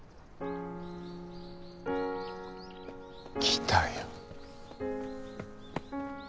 来たよ。